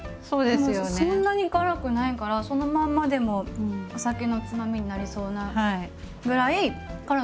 でもそんなに辛くないからそのまんまでもお酒のつまみになりそうなぐらい辛くないです。